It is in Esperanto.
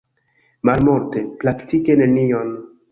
Malmulte, praktike nenion.